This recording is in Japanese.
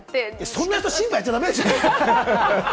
そんな人、審判やっちゃ駄目でしょ！